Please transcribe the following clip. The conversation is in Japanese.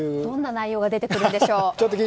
どんな内容が出てくるんでしょう？